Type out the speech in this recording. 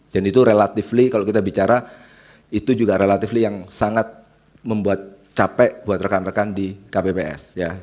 dan itu relatively kalau kita bicara itu juga relatively yang sangat membuat capek buat rekan rekan di kpps ya